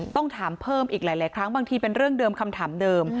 ต้องถามเพิ่มอีกหลายครั้งบางทีเป็นเรื่องเดิมคำถามเดิม